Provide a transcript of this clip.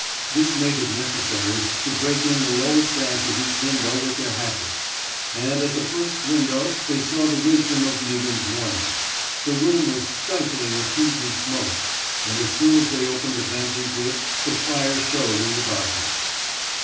This made it necessary to break in the lower sash of each window with their hatchets; and at their first win dow they saw the wisdom of Meaghan's warning. The room was stifling with heat and smoke; and as soon as they opened a vent into it the fire showed in the dark ness.